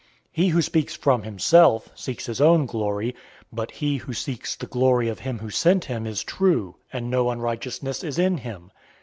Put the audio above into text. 007:018 He who speaks from himself seeks his own glory, but he who seeks the glory of him who sent him is true, and no unrighteousness is in him.